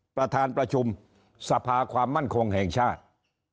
ประธานประชุมสภาความมั่นคงแห่งชาติ